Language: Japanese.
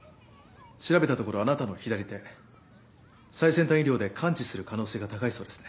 調べたところあなたの左手最先端医療で完治する可能性が高いそうですね。